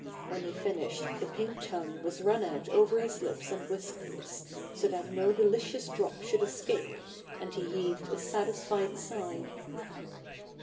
When he finished the pink tongue was run out over his lips and whiskers, so that no delicious drop should escape, and he heaved a satisfied sigh.